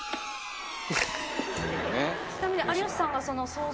ちなみに有吉さんが。